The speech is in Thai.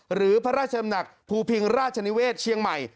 หรือพระราชดำหนักภูพิงราชนิเวศเชียงใหม่